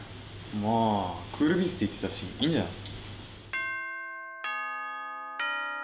まぁクールビズって言ってたしいいんじゃない？